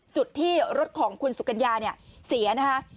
จุดที่รถของคุณสุกัญญาเนี่ยเสียนะคะ